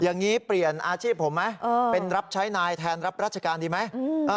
อย่างนี้เปลี่ยนอาชีพผมไหมเป็นรับใช้นายแทนรับราชการดีไหม